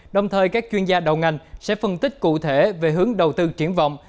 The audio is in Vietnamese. đồng thời các chuyên gia đầu ngành sẽ phân tích cụ thể về hướng đầu tư triển vọng